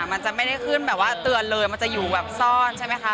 มันจะไม่ได้ขึ้นแบบว่าเตือนเลยมันจะอยู่แบบซ่อนใช่ไหมคะ